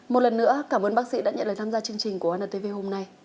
một lần nữa cảm ơn bác sĩ đã nhận lời tham gia chương trình của anh